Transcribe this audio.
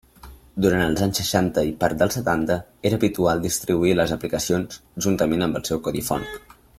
Durant els anys seixanta i part dels setanta era habitual distribuir les aplicacions juntament amb el seu codi font.